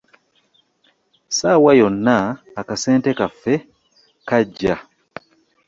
Ssaawa yonna akasente kaffe kajja.